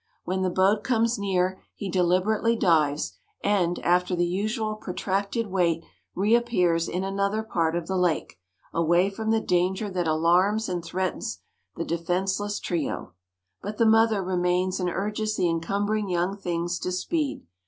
When the boat comes near, he deliberately dives, and, after the usual protracted wait, reappears in another part of the lake, away from the danger that alarms and threatens the defenceless trio. But the mother remains and urges the encumbering young things to speed.